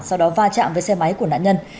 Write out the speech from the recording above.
sau đó va chạm với xe máy của nạn nhân